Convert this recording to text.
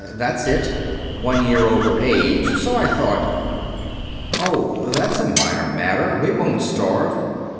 That's it one year over age, so I thought.... Oh, that's a minor matter. We won't starve.